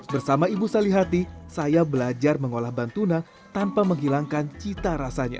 bersama ibu salihati saya belajar mengolah bantuna tanpa menghilangkan cita rasanya